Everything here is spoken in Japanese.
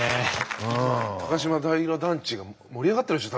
高島平団地が盛り上がってるでしょ